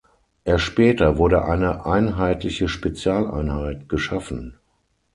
Erst später wurde eine einheitliche Spezialeinheit geschaffen.